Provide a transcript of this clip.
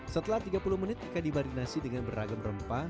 setelah tiga puluh menit ikan dibarinasi dengan beragam rempah